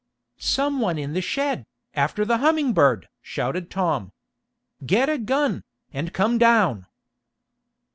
"Some one in the shed, after the Humming Bird!" shouted Tom. "Get a gun, and come down!"